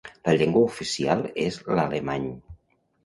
La llengua oficial és l'alemany.